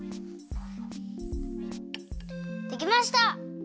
できました！